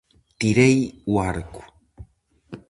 Tirei o arco.